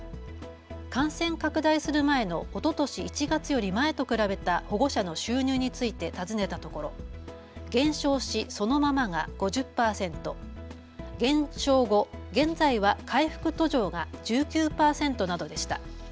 感染拡大する前のおととし１月より前と比べた保護者の収入について尋ねたところ、減少しそのままが５０％、減少後、現在は回復途上が１９％などでした。